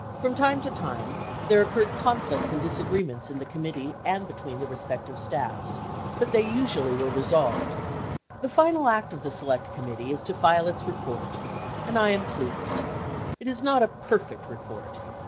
From time to time, there occurred conflicts and disagree ments in the committee, and between the respective staffs, but they usually were resolved. The final act of the Select Committee is to file its report ; and 1 am pleased. It is not a perfect report.